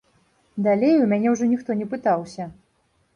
Далей у мяне ўжо ніхто не пытаўся.